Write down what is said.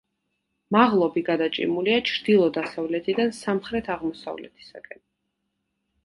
მაღლობი გადაჭიმულია ჩრდილო-დასავლეთიდან სამხრეთ-აღმოსავლეთისაკენ.